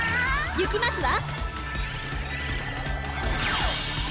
いきますわ！